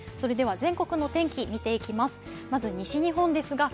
全国の天気、見ていきます。